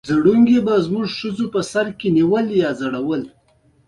انسټاګرام د ژوند ښکلي شېبې خوندي کوي.